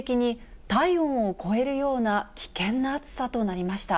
きょうは全国的に体温を超えるような危険な暑さとなりました。